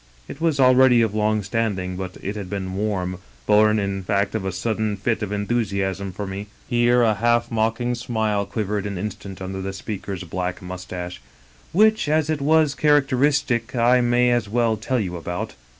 It was already of long standing, but it had been warm^ bom in fact of a sudden fit of enthusiasm for me" — ^here a half mocking smile quivered an instant under the speaker's black mustache —" which, as it was characteristic, I may as well tell you about.